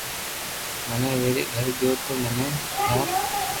منو ويري گيو ھي تو مني ٺوپ